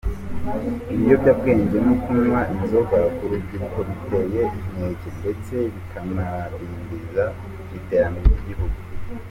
Ibiyobyabwenge no kunywa inzoga ku rubyiruko biteye inkeke ndetse bikanadindiza iterambere ry’igihugu.